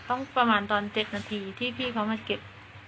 ต้องประมาณ๗นาทีที่พี่ก็มาเก็บ